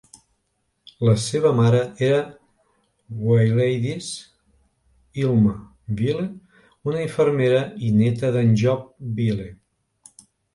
La seva mare era Gwladys Ilma Vile, una infermera, i neta d'en Job Vile.